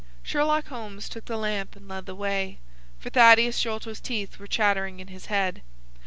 Sherlock Holmes took the lamp and led the way, for Thaddeus Sholto's teeth were chattering in his head.